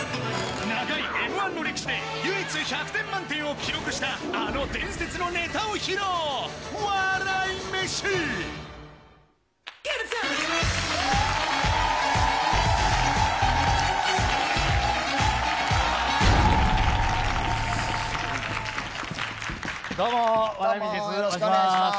長いＭー１の歴史で唯一１００点満点を記録したあの伝説どうも、笑い飯です。